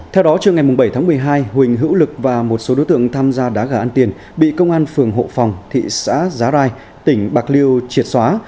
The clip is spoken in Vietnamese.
theo đó trưa ngày bảy tháng một mươi hai huỳnh hữu lực và một số đối tượng tham gia đá gà ăn tiền bị công an phường hộ phòng thị xã giá rai tỉnh bạc liêu triệt xóa